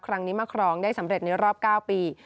ครั้งนี้มาครองได้สำเร็จในรอบ๙ปี